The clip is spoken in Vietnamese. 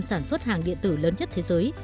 sản xuất hàng điện tử lớn nhất thế giới